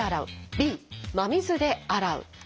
「Ｂ真水で洗う」。